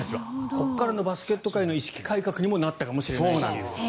ここからのバスケット界の意識改革にもなったかもしれないという。